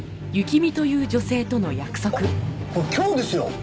あっこれ今日ですよ！